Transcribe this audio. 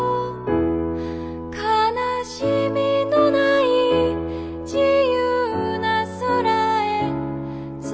「悲しみのない自由な空へ」